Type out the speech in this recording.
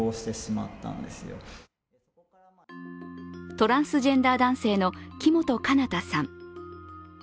トランスジェンダー男性の木本奏太さん。